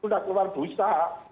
sudah keluar busa